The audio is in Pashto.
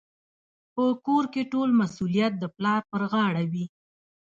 په کور کي ټول مسوليت د پلار پر غاړه وي.